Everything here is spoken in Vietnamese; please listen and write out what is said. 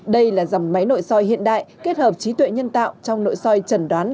đây là dòng máy nội soi hiện đại kết hợp trí tuệ nhân tạo trong nội soi trần đoán